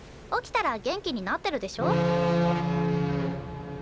起きたら元気になってるでしょ？